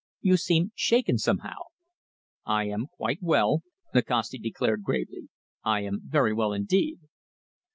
You seem shaken, somehow." "I am quite well," Nikasti declared gravely. "I am very well indeed."